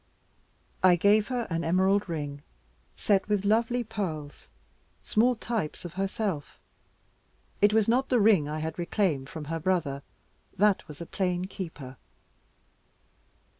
I gave her an emerald ring, set with lovely pearls, small types of herself. It was not the one I had reclaimed from her brother, that was a plain keeper.